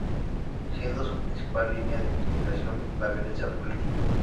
Siendo su principal línea de investigación la violencia política.